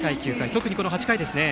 特にこの８回ですね。